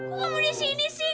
kok kamu di sini sih